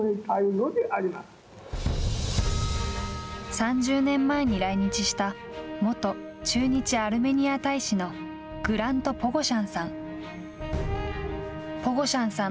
３０年前に来日した、元駐日アルメニア大使のグラント・ポゴシャンさん。